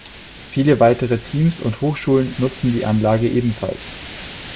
Viele weitere Teams und Hochschulen nutzten die Anlage ebenfalls.